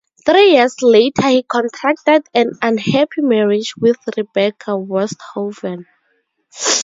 Three years later he contracted an unhappy marriage with Rebecca Woesthoven.